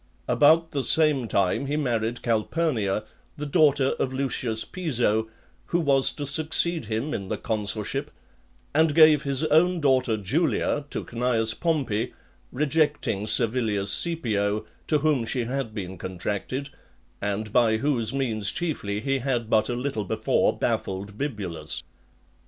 XXI. About the same time he married Calpurnia, the daughter of Lucius Piso, who was to succeed him in the consulship, and gave his own daughter Julia to Cneius Pompey; rejecting Servilius Caepio, to whom she had been contracted, and by whose means chiefly he had but a little before baffled Bibulus.